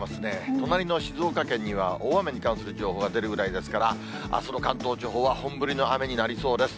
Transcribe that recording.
隣の静岡県には大雨に関する情報が出るぐらいですから、あすの関東地方は本降りの雨になりそうです。